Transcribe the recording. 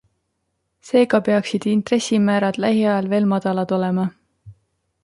Seega peaksid intressimäärad lähiajal veel madalad olema.